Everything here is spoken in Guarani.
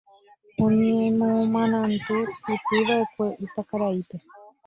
Oñemoarandu'ypy'akue Ypakaraípe.